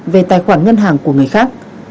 về tài khoản ngân hàng của người khác